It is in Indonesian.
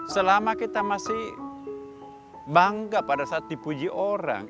selama kita masih bangga pada saat dipuji orang